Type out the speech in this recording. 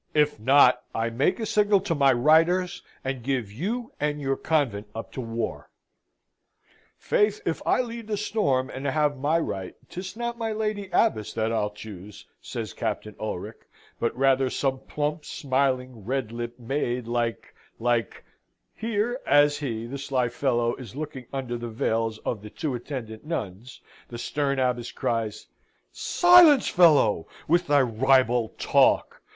"If not, I make a signal to my Reiters, and give you and your convent up to war." "Faith, if I lead the storm, and have my right, 'tis not my Lady Abbess that I'll choose," says Captain Ulric, "but rather some plump, smiling, red lipped maid like like " Here, as he, the sly fellow, is looking under the veils of the two attendant nuns, the stern Abbess cries, "Silence, fellow, with thy ribald talk!